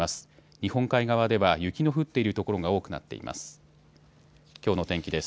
日本海側では雪の降っている所が多くなっています。